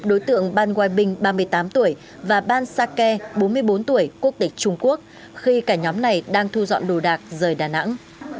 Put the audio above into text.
đối tượng ban waiibing ba mươi tám tuổi và ban sake bốn mươi bốn tuổi quốc tịch trung quốc khi cả nhóm này đang thu dọn đồ đạc rời đà nẵng